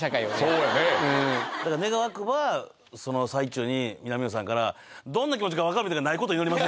そうやね願わくばその最中に南野さんから「どんな気持ちか分かる？」みたいんがないことを祈ります